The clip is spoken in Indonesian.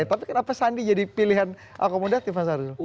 tapi kenapa sandi jadi pilihan akomodatif mas ari